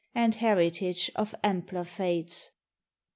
And heritage of ampler Fates!